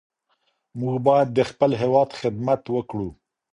موږ باید د خپل هېواد خدمت وکړو.